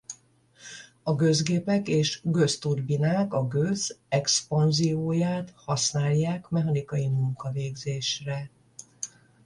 A gőzgépek és gőzturbinák a gőz expanzióját használják mechanikai munkavégzésre.